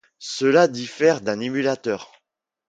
Cela diffère d'un émulateur.